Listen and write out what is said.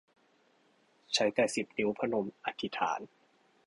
ใช้แต่สิบนิ้วพนมอธิษฐาน